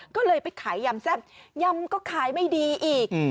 ก็เลยไปขายยำแซ่บยำก็ขายไม่ดีอีก